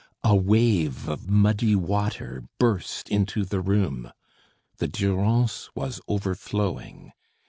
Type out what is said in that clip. A wave of muddy water burst into the room. The Durance was overflowing.